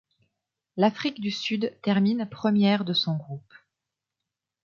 L'Afrique du Sud termine première de son groupe.